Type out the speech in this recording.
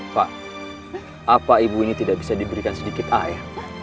pak apa ibu ini tidak bisa diberikan sedikit air